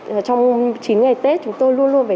trong chín ngày tết chúng tôi luôn luôn phải